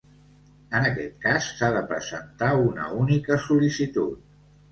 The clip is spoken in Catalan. En aquest cas, s'ha de presentar una única sol·licitud.